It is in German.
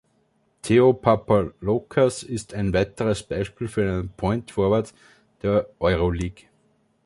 Theo Papaloukas ist ein weiteres Beispiel für einen Point Forward der Euroleague.